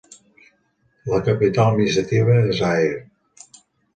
La capital administrativa és Ayr.